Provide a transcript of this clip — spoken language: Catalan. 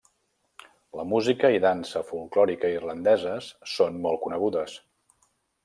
La música i dansa folklòrica irlandeses són molt conegudes.